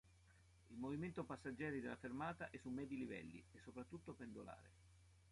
Il movimento passeggeri della fermata è su medi livelli e soprattutto pendolare.